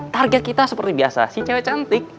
target kita seperti biasa sih cewek cantik